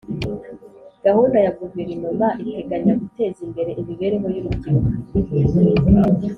Gahunda ya Guverinoma iteganya guteza imbere imibereho y urubyiruko